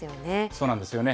そうなんですよね。